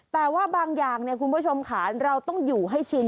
แต่ว่าบางอย่างเนี่ยคุณผู้ชมค่ะเราต้องอยู่ให้ชิน